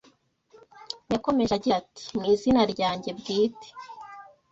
Yakomeje agira ati “Mu izina ryanjye bwite